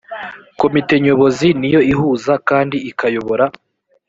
komite nyobozi ni yo ihuza kandi ikayobora